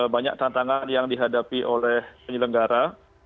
banyak tantangan yang dihadapi oleh penyelenggara